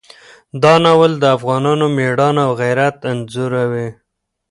دا ناول د افغانانو مېړانه او غیرت انځوروي.